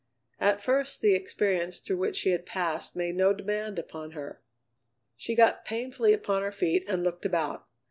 At first the experience through which she had passed made no demand upon her. She got painfully upon her feet and looked about.